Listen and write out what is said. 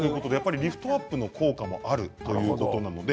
リフトアップ効果もあるという感じです。